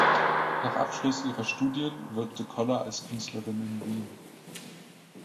Nach Abschluss ihrer Studien wirkte Koller als Künstlerin in Wien.